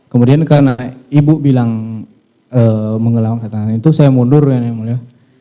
kemudian karena ibu bilang mengelawan katanya itu saya mundur yang mulia